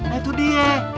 nah itu dia